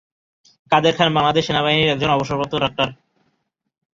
কাদের খান বাংলাদেশ সেনাবাহিনীর একজন অবসরপ্রাপ্ত ডাক্তার।